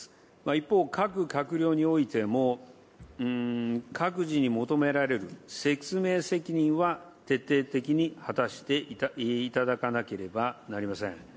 一方、各閣僚においても、各自に求められる説明責任は徹底的に果たしていただかなければなりません。